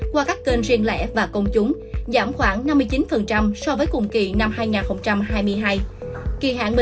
qua các kênh riêng lẻ và công chúng giảm khoảng năm mươi chín so với cùng kỳ năm hai nghìn hai mươi hai